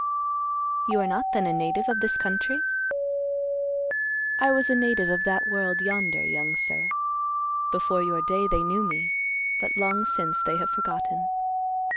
"You are not then a native of this country?" "I was a native of that world yonder, young sir. Before your day, they knew me; but long since, they have forgotten.